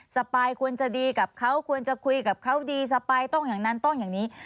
สปายควรจะดีกับเขาควรจะคุยกับเขาดีสปายต้องอย่างนั้นต้องอย่างนี้